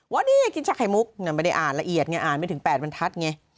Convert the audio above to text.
วันนี้กินชานมไขมุกไม่ได้อ่านละเอียดอ่านไม่ถึง๘วันทัศน์